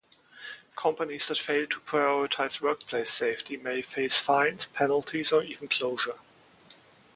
Companies that fail to prioritize workplace safety may face fines, penalties, or even closure.